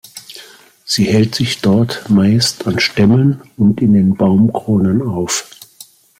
Sie hält sich dort meist an Stämmen und in den Baumkronen auf.